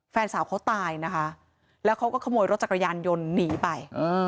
แฟนสาวเขาตายนะคะแล้วเขาก็ขโมยรถจักรยานยนต์หนีไป